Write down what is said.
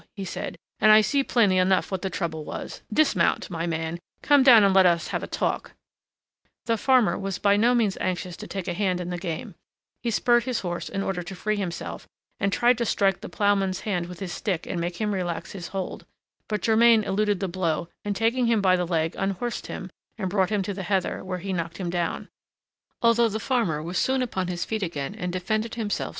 he said, "and I see plainly enough what the trouble was. Dismount! my man! come down and let us have a talk!" The farmer was by no means anxious to take a hand in the game: he spurred his horse in order to free himself, and tried to strike the ploughman's hands with his stick and make him relax his hold; but Germain eluded the blow, and, taking him by the leg, unhorsed him and brought him to the heather, where he knocked him down, although the farmer was soon upon his feet again and defended himself sturdily.